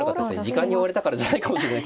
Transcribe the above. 時間に追われたからじゃないかもしれない。